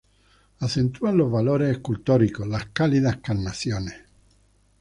Acentúan los valores escultóricos las cálidas carnaciones.